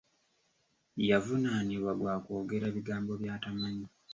Yavunnaanibwa gwa kwogera bigambo by’atamanyi.